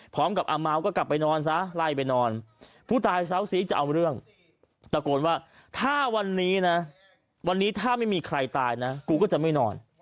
กับอาเมาก็กลับไปนอนซะไล่ไปนอนผู้ตายเซาซีจะเอาเรื่องตะโกนว่าถ้าวันนี้นะวันนี้ถ้าไม่มีใครตายนะกูก็จะไม่นอน